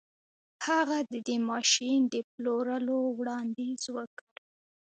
هغه د دې ماشين د پلورلو وړانديز وکړ.